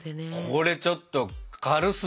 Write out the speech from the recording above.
これちょっと軽すぎ。